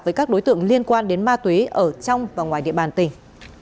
với các đối tượng liên quan đến ma túy ở trong và ngoài địa bàn tỉnh